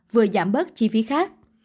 vừa giảm bớt chi phí khác